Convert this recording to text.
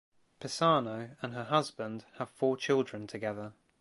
Pisano and her husband have four children together.